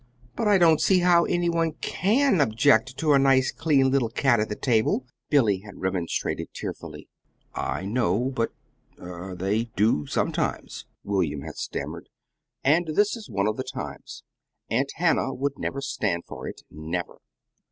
"But I don't see how any one CAN object to a nice clean little cat at the table," Billy had remonstrated tearfully. "I know; but er they do, sometimes," William had stammered; "and this is one of the times. Aunt Hannah would never stand for it never!"